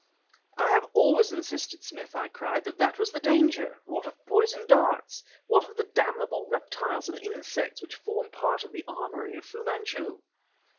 "I have always insisted, Smith," I cried, "that there was danger! What of poisoned darts? What of the damnable reptiles and insects which form part of the armory of Fu Manchu?"